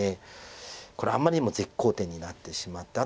これあんまりにも絶好点になってしまって。